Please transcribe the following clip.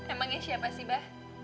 emangnya siapa sih bah